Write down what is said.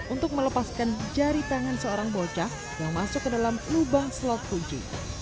untuk melepaskan jari tangan seorang bocah yang masuk ke dalam lubang slot kunci